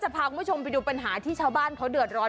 ไปดูปัญหาที่ชาวบ้านเขาเดือดร้อน